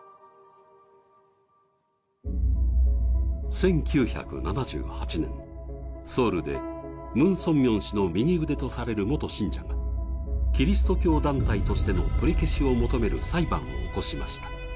１９７８年、ソウルでムン・ソンミョン氏の右腕とされる元信者がキリスト教団体としての取り消しを求める裁判を起こしました。